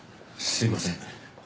すみません。